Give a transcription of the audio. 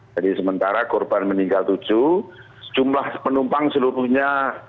jadi sementara korban meninggal tujuh jumlah penumpang seluruhnya empat belas